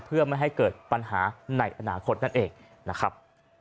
เพื่อไม่ให้เกิดปัญหาในอนาคตนั่นเองนะครับ